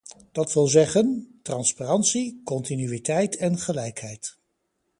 Dat wil zeggen: transparantie, continuïteit en gelijkheid.